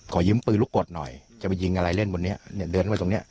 ขอยืมปืนลูกกดหน่อยจะไปยิงอะไรเล่นบนนี้เนี่ยเดินไว้ตรงเนี้ย